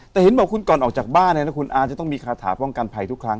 แต่เห็นบอกคุณก่อนออกจากบ้านเนี่ยนะคุณอาจะต้องมีคาถาป้องกันภัยทุกครั้ง